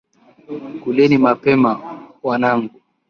Kuleni mapema wanangu.